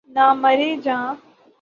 نہ مری جاں